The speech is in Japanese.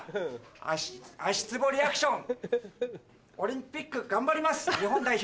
足つぼリアクションオリンピック頑張ります日本代表。